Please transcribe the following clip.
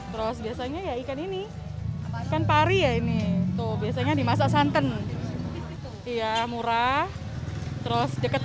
terus biasanya ya ikan ini ikan pari ya ini tuh biasanya dimasak santan iya murah terus deket